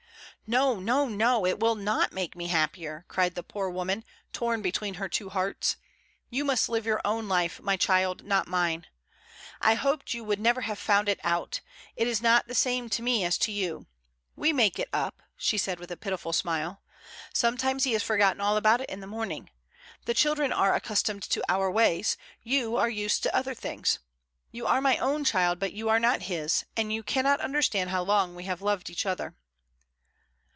"No, no, no! it will not make me happier," cried the poor woman, torn between her two hearts. "You must live your own life, my child, not mine. I20 MRS. DYMOND. I hoped you would never have found it out. It is not the same to me as to you. We make it up," she said, with a pitiful smile. "Sometimes he has forgotten all about it in the morning. The children are accustomed to our ways; you are used to other things. You are my own child; but you are not his, and you cannot understand how long we have loved each other."